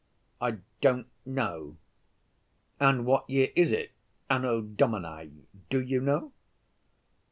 "I don't know." "And what year is it, Anno Domini, do you know?"